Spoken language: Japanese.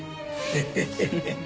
ヘヘヘヘ。